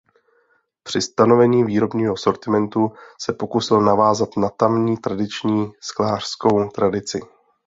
Při stanovení výrobního sortimentu se pokusil navázat na tamní tradiční sklářskou tradici.